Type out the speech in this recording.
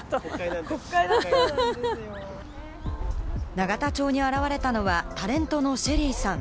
永田町に現れたのはタレントのＳＨＥＬＬＹさん。